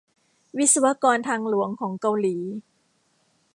วิศวกรทางหลวงของเกาหลี